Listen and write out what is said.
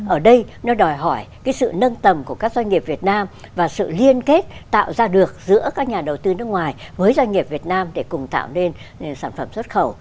ở đây nó đòi hỏi sự nâng tầm của các doanh nghiệp việt nam và sự liên kết tạo ra được giữa các nhà đầu tư nước ngoài với doanh nghiệp việt nam để cùng tạo nên sản phẩm xuất khẩu